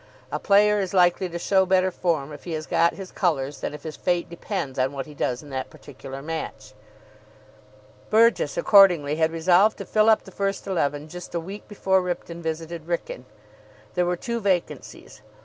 A player is likely to show better form if he has got his colours than if his fate depends on what he does in that particular match. Burgess, accordingly, had resolved to fill up the first eleven just a week before Ripton visited Wrykyn. There were two vacancies.